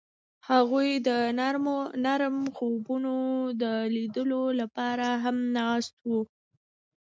هغوی د نرم خوبونو د لیدلو لپاره ناست هم وو.